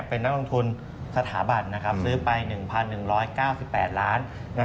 เป็นนักลงทุนสถาบันซื้อไป๑๑๙๘ล้าน